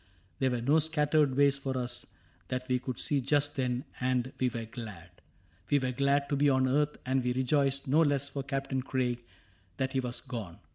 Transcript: There were no scattered ways for us That we could see just then, and we were glad : 8i CAPTAIN CRAIG We were glad to be on earth, and we rejoiced No less for Captain Craig that he was gone.